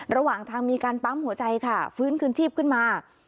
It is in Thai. ระหว่างทางมีการปั๊มหัวใจค่ะฟื้นคืนชีพขึ้นมา